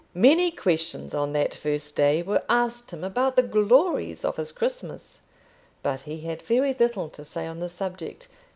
Many questions on that first day were asked him about the glories of his Christmas, but he had very little to say on the subject.